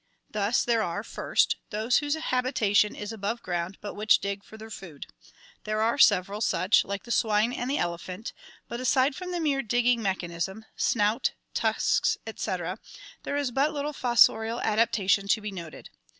Thus there are, first, those whose habitation is above ground but which dig for their food. There are several such, like the swine and the elephant, but aside from the mere digging mech anism— snout, tusks, etc. — there is but little fossorial adaptation to be noted.